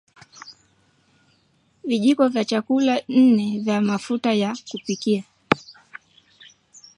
Vijiko vya chakula nne vya mafuta ya kupikia